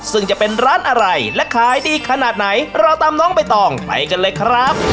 ซึ่งจะเป็นร้านอะไรและขายดีขนาดไหนเราตามน้องใบตองไปกันเลยครับ